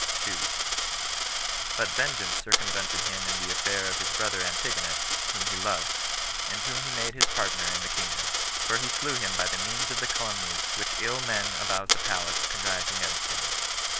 2. But vengeance circumvented him in the affair of his brother Antigonus, whom he loved, and whom he made his partner in the kingdom; for he slew him by the means of the calumnies which ill men about the palace contrived against him.